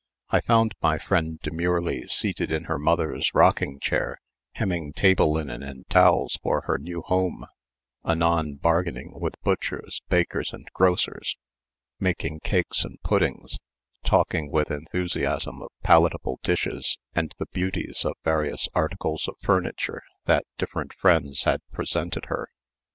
I found my friend demurely seated in her mother's rocking chair hemming table linen and towels for her new home, anon bargaining with butchers, bakers, and grocers, making cakes and puddings, talking with enthusiasm of palatable dishes and the beauties of various articles of furniture that different friends had presented her.